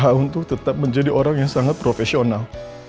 hak untuk tetap menjadi orang yang sangat profesional